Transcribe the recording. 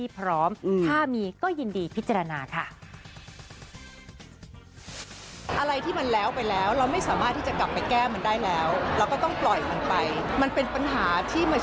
พร้อมถ้ามีก็ยินดีพิจารณาค่ะ